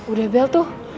udah bel tuh